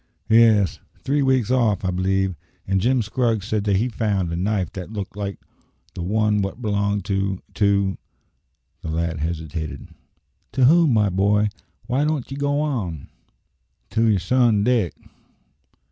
"Yes; three weeks off, I believe. And Jim Scraggs said that he found a knife that looked like the one wot belonged to to " the lad hesitated. "To whom, my boy? Why don't ye go on?" "To your son Dick."